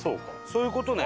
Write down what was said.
そういう事ね。